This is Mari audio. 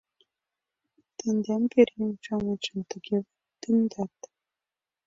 Тендам, пӧръеҥ-шамычым, тыге вот тӱҥдат.